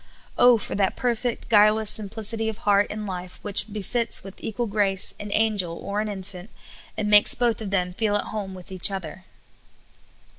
Oh, for that perfect, guileless simplicity of heart and life which befits with equal grace an angel or an infant, and makes both of them feel at home with each other